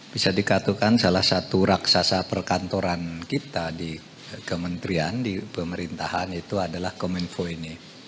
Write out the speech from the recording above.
bisa dikatakan salah satu raksasa perkantoran kita di kementerian di pemerintahan itu adalah kominfo ini